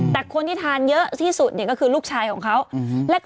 แต่คนที่ทานเยอะที่สุดเนี่ยก็คือลูกชายของเขา